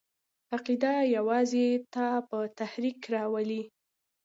عقیده یوازې تا په تحرک راولي!